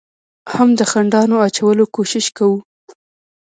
هم د خنډانو اچولو کوشش کوو،